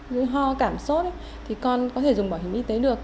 như ho cảm xốt thì con có thể dùng bảo hiểm y tế được